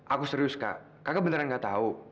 aku serius kak kakak beneran gak tahu